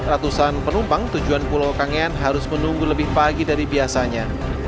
ratusan penumpang tujuan pulau kangean harus menunggu lebih pagi dari biasanya